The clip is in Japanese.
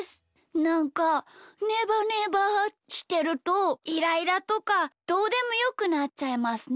なんかねばねばしてるとイライラとかどうでもよくなっちゃいますね。